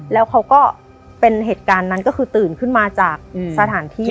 แล้วเขาก็เป็นเหตุการณ์นั้นก็คือตื่นขึ้นมาจากสถานที่